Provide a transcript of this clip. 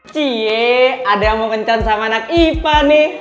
ciy ada yang mau kencan sama anak ipa nih